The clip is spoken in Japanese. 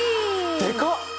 でかっ！